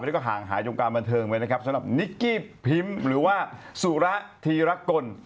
นี่ก็ห่างหายวงการบันเทิงไปนะครับสำหรับนิกกี้พิมพ์หรือว่าสุระธีรกล